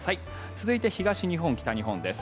続いて、東日本、北日本です。